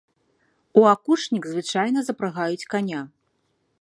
У акучнік звычайна запрагаюць каня.